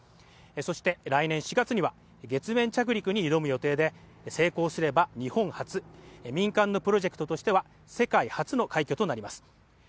そして来年４月には月面着陸に挑む予定で成功すれば日本初の民間のプロジェクトとしては世界初の快挙となります